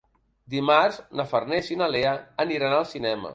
Dimarts na Farners i na Lea aniran al cinema.